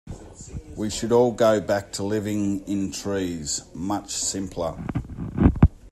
We should all go back to living in the trees, much simpler.